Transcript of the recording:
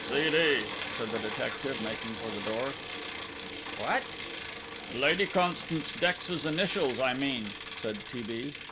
"C. D.," said the detective, making for the door. "What?" "Lady Constance Dex's initials, I mean," said T. B.